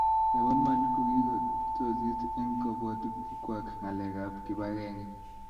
nebo iman kokikortotis eng kabwotutikwach ng'alekab kibagenge